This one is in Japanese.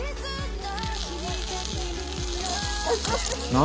何？